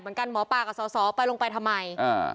เหมือนกันหมอปลากับซ้อไปลงไปทำไมเออ